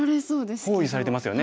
包囲されてますよね。